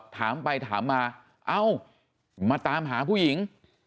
ถามไปถามมาเอ้ามาตามหาผู้หญิง